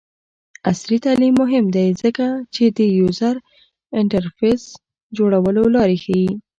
عصري تعلیم مهم دی ځکه چې د یوزر انټرفیس جوړولو لارې ښيي.